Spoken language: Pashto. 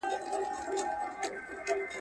څوک نیژدې نه راښکاریږي.